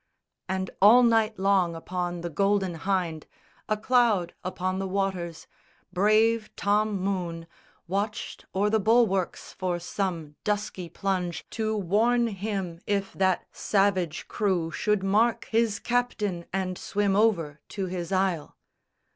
And all night long upon the Golden Hynde, A cloud upon the waters, brave Tom Moone Watched o'er the bulwarks for some dusky plunge To warn him if that savage crew should mark His captain and swim over to his isle.